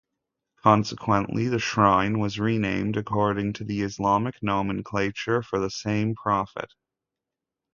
Consequently, the shrine was renamed according to the Islamic nomenclature for the same prophet.